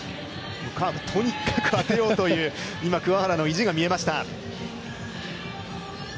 カーブ、とにかく、当てようという今、桑原の意地が見えました。